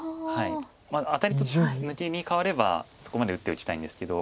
アタリと抜きに換わればそこまで打っておきたいんですけど。